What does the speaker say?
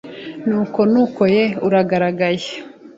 Nuko nuko ye uragaragaye